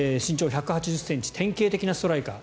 身長１８０ｃｍ典型的なストライカー。